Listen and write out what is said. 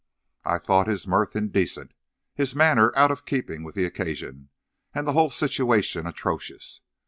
"I thought his mirth indecent, his manner out of keeping with the occasion, and the whole situation atrocious.